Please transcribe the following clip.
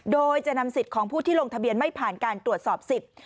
โดยจะนำสิทธิ์ของผู้ที่ลงทะเบียนไม่ผ่านการตรวจสอบสิทธิ์